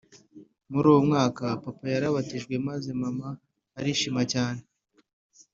Muri uwo mwaka papa yarabatijwe maze mama arishima cyane